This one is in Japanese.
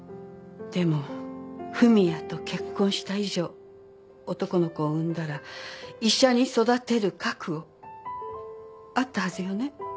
でも文也と結婚した以上男の子を産んだら医者に育てる覚悟あったはずよね。